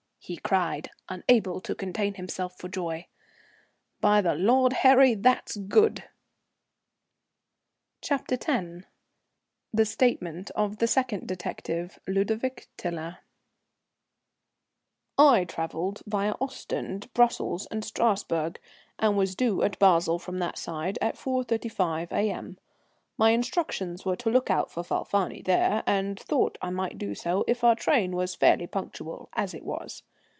he cried, unable to contain himself for joy. "By the Lord Harry, that's good." CHAPTER X. [The Statement of the Second Detective, Ludovic Tiler.] I travelled via Ostend, Brussels and Strasburg, and was due at Basle from that side at 4.35 A.M. My instructions were to look out for Falfani there, and thought I might do so if our train was fairly punctual, as it was.